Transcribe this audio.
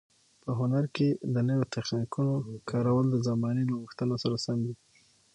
په هنر کې د نویو تخنیکونو کارول د زمانې له غوښتنو سره سم دي.